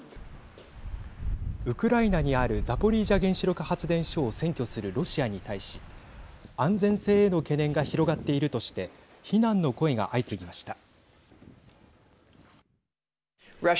ウクライナにあるザポリージャ原子力発電所を占拠するロシアに対し安全性への懸念が広がっているとして非難の声が相次ぎました。